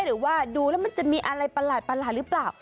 หรือว่าดูแล้วมันจะมีอะไรประหลาดหรือเปล่า